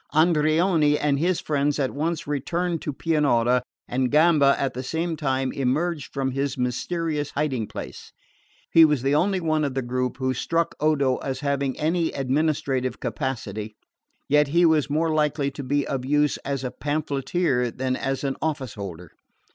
Andreoni and his friends at once returned to Pianura, and Gamba at the same time emerged from his mysterious hiding place. He was the only one of the group who struck Odo as having any administrative capacity; yet he was more likely to be of use as a pamphleteer than as an office holder.